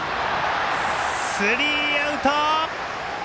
スリーアウト！